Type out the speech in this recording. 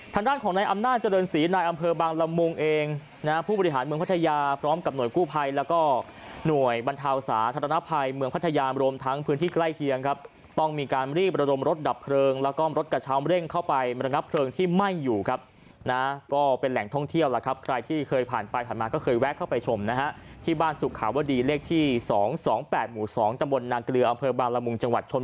พฤหารเมืองพัทยาพร้อมกับหน่วยกู้ภัยแล้วก็หน่วยบรรทาวสาธารณภัยเมืองพัทยามรวมทั้งพื้นที่ใกล้เคียงครับต้องมีการรีบระดมรถดับเพลิงแล้วก็รถกระเช้าเร่งเข้าไประดับเพลิงที่ไหม้อยู่ครับนะก็เป็นแหล่งท่องเที่ยวล่ะครับใครที่เคยผ่านไปผ่านมาก็เคยแวะเข้าไปชมนะฮะที่บ้านสุขาวดีเลขที่สองสอง